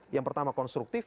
yang pertama konstruktif